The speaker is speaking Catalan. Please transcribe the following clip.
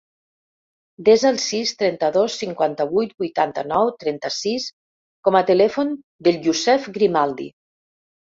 Desa el sis, trenta-dos, cinquanta-vuit, vuitanta-nou, trenta-sis com a telèfon del Yousef Grimaldi.